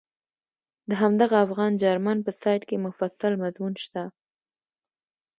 د همدغه افغان جرمن په سایټ کې مفصل مضمون شته.